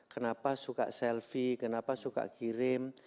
kenapa suka selfie kenapa suka kirim